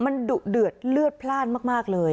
มันดุเดือดเลือดพลาดมากเลย